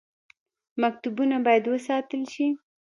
مکتبونه باید وساتل شي